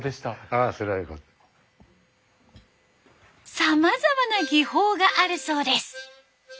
さまざまな技法があるそうです。